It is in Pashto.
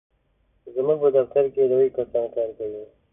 زموږ په دفتر کې درې کسان کار کوي.